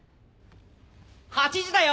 『８時だョ！』